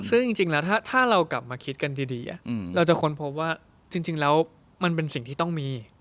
ซึ่งจริงแล้วถ้าเรากลับมาคิดกันดีเราจะค้นพบว่าจริงแล้วมันเป็นสิ่งที่ต้องมี